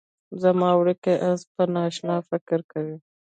زما وړوکی اس به نا اشنا فکر کوي